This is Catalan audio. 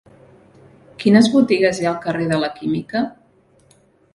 Quines botigues hi ha al carrer de la Química?